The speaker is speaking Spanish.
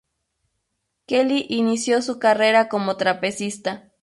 Kelly inició su carrera como trapecista.